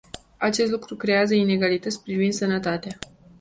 Acest lucru creează inegalități privind sănătatea.